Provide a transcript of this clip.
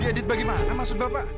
diedit bagaimana maksud bapak